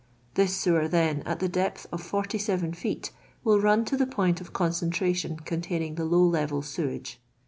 This sewer, then, at the depth of 47 feet, will run to the point of concentration containing the low level sewage.